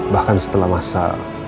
bahkan setelah masa